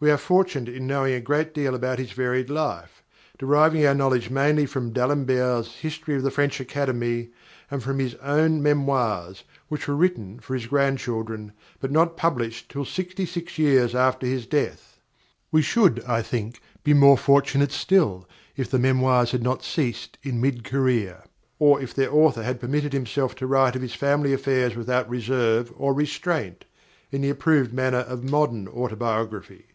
We are fortunate in knowing a great deal about his varied life, deriving our knowledge mainly from D'Alembert's history of the French Academy and from his own memoirs, which were written for his grandchildren, but not published till sixty six years after his death. We should, I think, be more fortunate still if the memoirs had not ceased in mid career, or if their author had permitted himself to write of his family affairs without reserve or restraint, in the approved manner of modern autobiography.